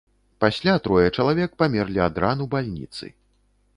Пасля трое чалавек памерлі ад ран у бальніцы.